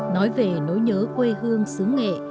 nói về nỗi nhớ quê hương sứ nghệ